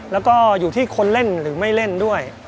แล้วก็อยู่ที่คนเล่นหรือไม่เล่นด้วย